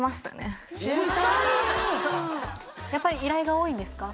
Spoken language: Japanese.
おおやっぱり依頼が多いんですか？